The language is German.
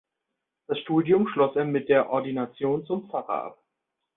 Das Studium schloss er mit der Ordination zum Pfarrer ab.